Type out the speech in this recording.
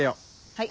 はい。